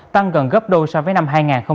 tăng gần gấp đôi so với năm hai nghìn một mươi tám